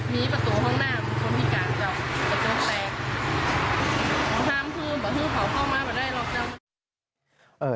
มีประตูห้องหน้ามีการจับตะลุมแปลงห้ามพื้นประพื้นเขาเข้ามาก็ได้